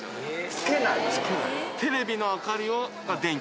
つけない。